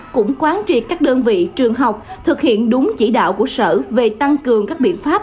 cũng quán triệt các đơn vị trường học thực hiện đúng chỉ đạo của sở về tăng cường các biện pháp